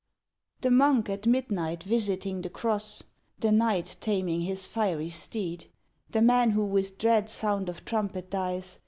The monk at midnight visiting the cross, The knight taming his fiery steed, The man who with dread sound of trumpet dies.